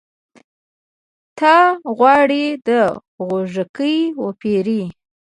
ته غواړې د غوږيکې وپېرې؟